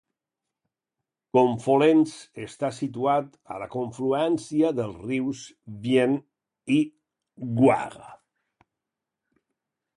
Confolens està situat a la confluència dels rius Vienne i Goire.